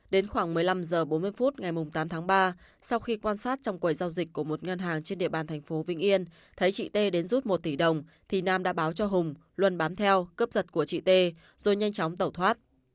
đến khoảng một mươi năm h bốn mươi phút ngày tám tháng ba sau khi quan sát trong quầy giao dịch của một ngân hàng trên địa bàn thành phố vĩnh yên thấy chị t đến rút một tỷ đồng thì nam đã báo cho hùng luân bám theo cướp giật của chị t rồi nhanh chóng tẩu thoát